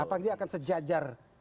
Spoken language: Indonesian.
apakah dia akan sejajar